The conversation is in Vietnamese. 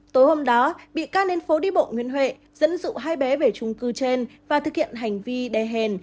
tối hôm đó bị ca nến phố đi bộ nguyễn huệ dẫn dụ hai bé về trung cư trên và thực hiện hành vi đe hèn